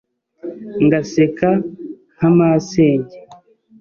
Ngaseka nka masenge